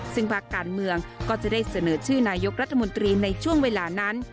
ซึ่งภาคการเมืองก็จะได้เสนอชื่อนายกรัฐมนตรีในช่วงเวลานั้น